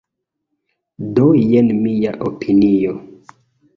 Do jen mia opinio.